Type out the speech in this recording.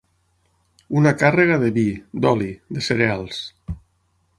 Una càrrega de vi, d'oli, de cereals.